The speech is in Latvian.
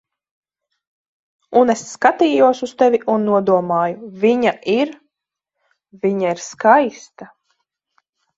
Un es skatījos uz tevi un nodomāju: "Viņa ir... Viņa ir skaista."